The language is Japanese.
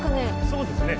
そうですね